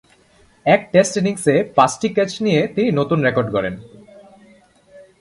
এক টেস্ট ইনিংসে পাঁচটি ক্যাচ নিয়ে তিনি নতুন রেকর্ড গড়েন।